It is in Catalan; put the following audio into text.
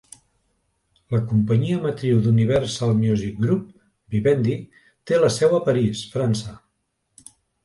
La companyia matriu d'Universal Music Group, Vivendi, té la seu a París, França.